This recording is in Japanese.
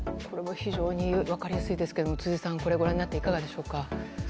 これも非常に分かりやすいですが辻さん、ご覧になっていかがでしょうか。